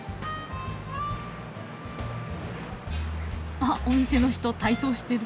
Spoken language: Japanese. あっお店の人体操してる。